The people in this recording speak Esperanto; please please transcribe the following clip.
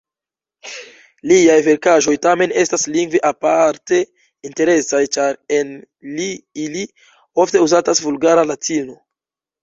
Liaj verkaĵoj tamen estas lingve aparte interesaj, ĉar en ili ofte uzatas vulgara latino.